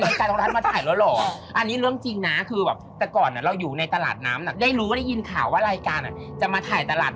เออเขาก่อนนิดหนึ่งก็ยังดีอะไรอย่างนี้เพราะว่าเราอยากแบบ